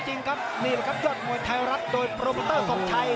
นี่แหละครับยอดมวยไทยรัฐโดยโปรเมอเตอร์ศพชัย